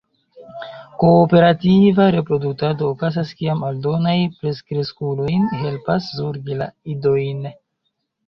Kooperativa reproduktado okazas kiam aldonaj plenkreskuloj helpas zorgi la idojn.